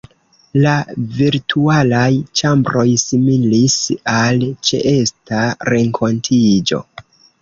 La virtualaj ĉambroj similis al ĉeesta renkontiĝo.